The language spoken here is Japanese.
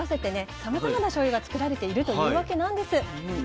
さまざまなしょうゆが造られているというわけなんです。